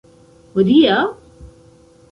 Hodiaŭ!?